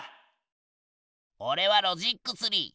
おれはロジックツリー。